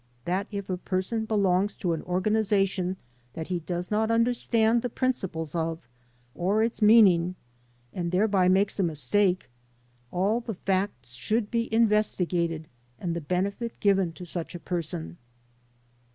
That if a person belongs to an or ganization that he does not understand the principles of or its meaning, and thereby makes a mistake, all the facts should be investigated and the benefit given to such a person."